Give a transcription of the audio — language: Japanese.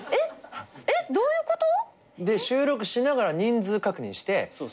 えっどういうこと？で収録しながら人数確認して。